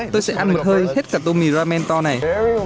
tôi sẽ ăn một hơi hết cả tô mì ramen to này